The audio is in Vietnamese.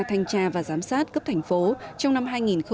thanh tra và giám sát cấp thành phố trong năm hai nghìn một mươi chín